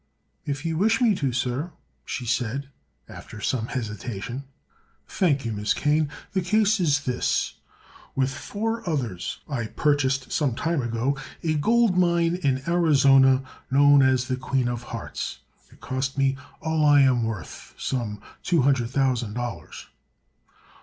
"If you wish me to, sir," she said, after some hesitation. "Thank you, Miss Kane. The case is this: With four others I purchased some time ago a gold mine in Arizona known as the 'Queen of Hearts.' It cost me about all I am worth—some two hundred thousand dollars."